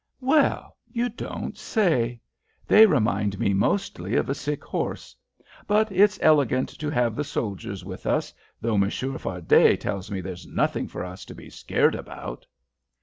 "Well, you don't say! They remind me mostly of a sick horse. But it's elegant to have the soldiers with us, though Monsieur Fardet tells me there's nothing for us to be scared about."